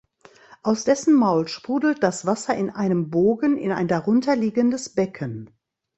Aus dessen Maul sprudelt das Wasser in einem Bogen in ein darunter liegendes Becken.